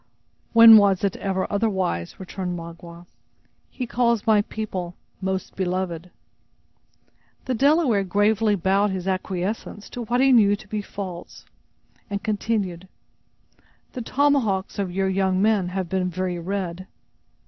"When was it ever otherwise?" returned Magua. "He calls my people 'most beloved'." The Delaware gravely bowed his acquiescence to what he knew to be false, and continued: "The tomahawks of your young men have been very red."